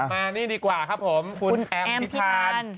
มานี่ดีกว่าครับผมคุณแอมพิธาน